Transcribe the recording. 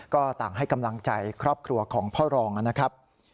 ก็ต่างให้กำลังใจครอบครัวของพ่อรองนะครับ